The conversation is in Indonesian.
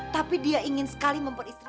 tapi dia ingin sekali memperistirahat